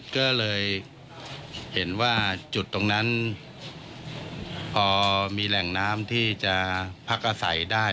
ก็เลยเห็นว่าจุดตรงนั้นพอมีแหล่งน้ำที่จะพักอาศัยได้